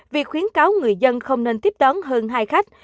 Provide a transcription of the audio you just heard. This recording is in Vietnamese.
việc khuyến cáo người dân không nên tiếp đón hơn hai khách